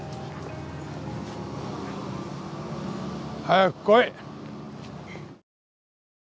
早く来い。